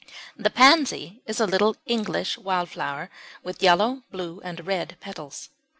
The Pansy is a little English wild flower with yellow, blue, and red petals.